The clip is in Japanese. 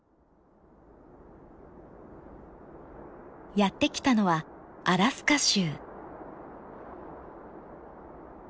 やって来たのはアラスカ州。